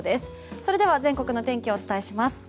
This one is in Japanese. それでは、全国の天気をお伝えします。